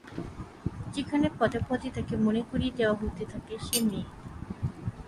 যেখানে পদে পদে তাঁকে মনে করিয়ে দেওয়া হতে থাকে, সে মেয়ে।